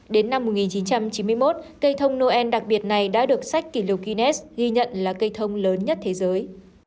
đến năm một nghìn chín trăm chín mươi một cây thông noel đặc biệt này đã được sách kỷ lục guinness ghi nhận là cây thông lớn nhất thế giới